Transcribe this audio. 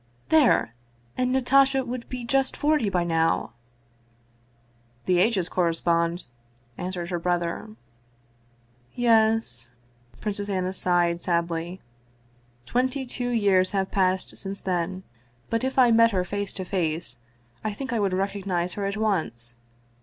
" There ! And Natasha would be just forty by now !"" The ages correspond," answered her brother. " Yes." Princess Anna sighed sadly. " Twenty two years have passed since then. But if I met her face to face I think I would recognize her at once.